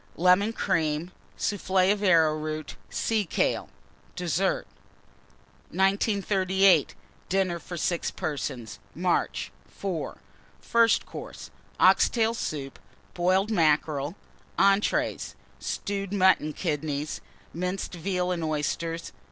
Lemon Cream. Soufflé of Arrowroot. Sea kale. DESSERT. 1938. DINNER FOR 6 PERSONS (March). IV. FIRST COURSE. Ox tail Soup. Boiled Mackerel. ENTREES. Stewed Mutton Kidneys. Minced Veal and Oysters.